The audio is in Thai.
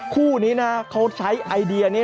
คู่นี้นะเขาใช้ไอเดียนี้